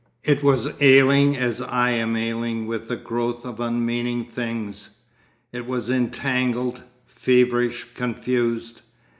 It was ailing as I am ailing with a growth of unmeaning things. It was entangled, feverish, confused.